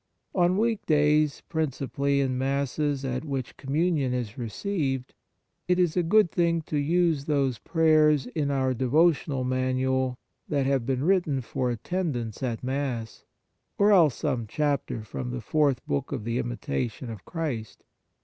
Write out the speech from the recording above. On weekdays, principally in Masses at which Com munion is received, it is a good thing to use those prayers, in our devo tional manual, that have been written for attendance at Mass, or else some chapter from the Fourth Book of " The Imitation of Christ."